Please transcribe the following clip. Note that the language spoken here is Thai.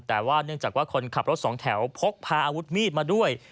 แต่ว่าเนื่องจากว่าคนขับรถสองแถวพกพาอาวุธมีดมาด้วย